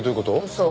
そう。